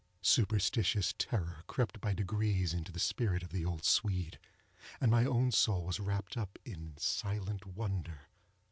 Superstitious terror crept by degrees into the spirit of the old Swede, and my own soul was wrapped up in silent wonder.